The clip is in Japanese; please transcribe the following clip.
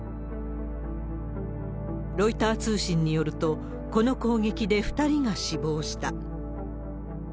ロイター通信によると、この攻撃で２人が死亡した。